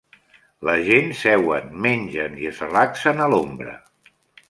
La gent seuen, mengen i es relaxen a l'ombra.